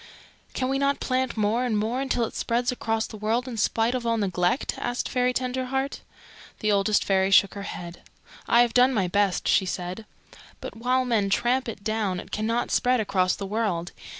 "Can we not plant more and more until it spreads across the world in spite of all neglect?" asked Fairy Tenderheart. The Oldest Fairy shook her head. "I have done my best," she said; "but while men tramp it down it cannot spread across the world.